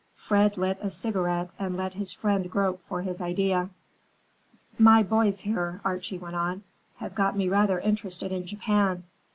Fred lit a cigarette and let his friend grope for his idea. "My boys, here," Archie went on, "have got me rather interested in Japan.